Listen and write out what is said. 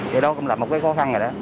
thì đó cũng là một cái khó khăn gì đó